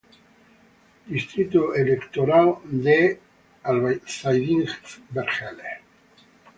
Distrito electoral de Oshkosh No.